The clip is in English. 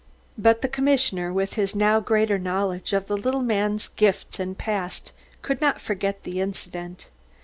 But the commissioner, with his now greater knowledge of the little man's gifts and past, could not forget the incident.